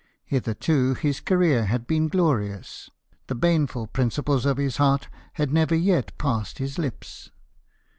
Hitherto his career had been glorious ; the baneful principles of his heart had never yet passed his lips.